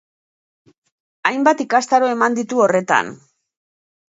Hainbat ikastaro eman ditu horretan.